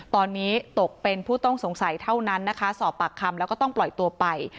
ตอนนี้ตกเป็นผู้ต้องสงสัยเท่านั้นนะคะสอบปากคำแล้วก็ต้องปล่อยตัวไป